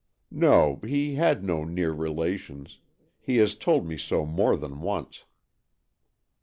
" No, he had no near relations. He has told me so more than once."